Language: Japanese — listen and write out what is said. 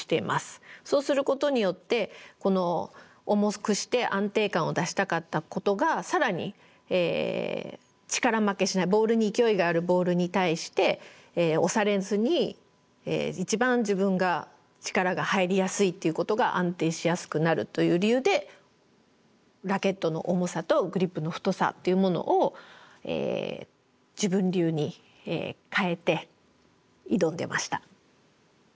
そうすることによって重くして安定感を出したかったことが更に力負けしないボールに勢いがあるボールに対して押されずに一番自分が力が入りやすいっていうことが安定しやすくなるという理由でラケットの重さとグリップの太さっていうものを自分流に変えて挑んでました。